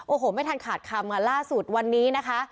โอ้โหไม่ทันขาดคำค่ะล่าสุดวันนี้นะคะ